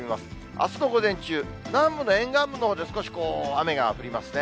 あすの午前中、南部の沿岸部のほうで少し雨が降りますね。